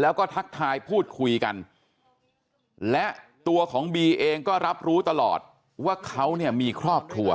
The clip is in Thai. แล้วก็ทักทายพูดคุยกันและตัวของบีเองก็รับรู้ตลอดว่าเขาเนี่ยมีครอบครัว